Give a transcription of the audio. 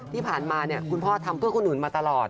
ที่ผ่านมาคุณพ่อทำเพื่อคนอื่นมาตลอด